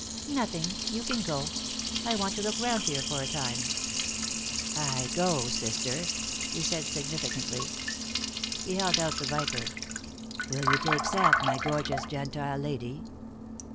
"Nothing. You can go; I want to look round here for a time. "I go, sister," he said, significantly. He held out the viper. "Will you take the sap, my gorgeous Gentile lady?"